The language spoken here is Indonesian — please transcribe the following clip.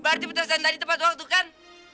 berarti putusan tadi tepat waktu kan